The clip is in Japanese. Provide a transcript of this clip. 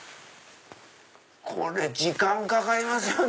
これ時間かかりますよね。